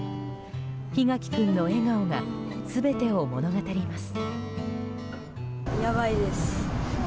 檜垣君の笑顔が全てを物語ります。